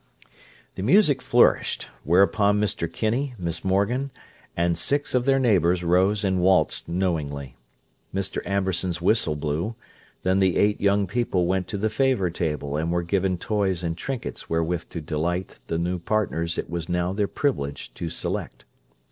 The music flourished; whereupon Mr. Kinney, Miss Morgan, and six of their neighbours rose and waltzed knowingly. Mr. Amberson's whistle blew; then the eight young people went to the favour table and were given toys and trinkets wherewith to delight the new partners it was now their privilege to select.